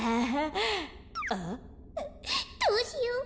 どうしよう。